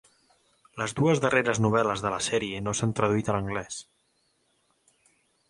Les dues darreres novel·les de la sèrie no s'han traduït a l'anglès.